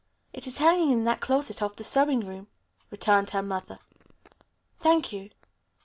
"It is hanging in that closet off the sewing room," returned her mother. "Thank you."